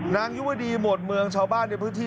ยุวดีหมวดเมืองชาวบ้านในพื้นที่